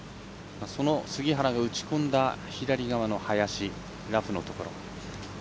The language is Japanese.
その杉原が打ち込んだ左側の林、ラフのところ。